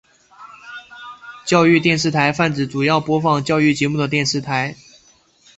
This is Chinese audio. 教育电视台泛指主要播放教育节目的电视台。